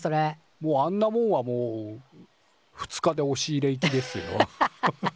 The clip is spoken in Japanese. もうあんなもんはもう２日でおし入れいきですよ。